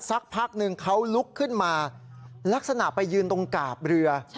สักพักหนึ่งเขาลุกขึ้นมาลักษณะไปยืนตรงกาบเรือ